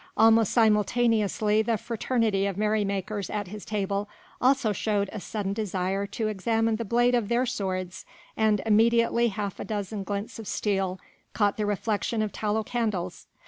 Almost simultaneously the fraternity of merry makers at his table also showed a sudden desire to examine the blade of their swords and immediately half a dozen glints of steel caught the reflection of tallow candles.